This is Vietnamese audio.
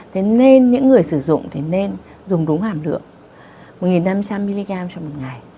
thế nên những người sử dụng thì nên dùng đúng hàm lượng một năm trăm linh mg trong một ngày